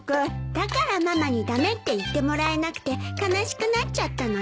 だからママに駄目って言ってもらえなくて悲しくなっちゃったのね。